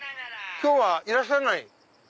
今日はいらっしゃらない？